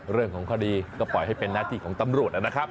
เรื่องของคดีก็ปล่อยให้เป็นหน้าที่ของตำรวจนะครับ